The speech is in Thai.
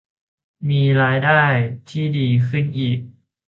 มีรายได้ที่ดีขึ้นอีก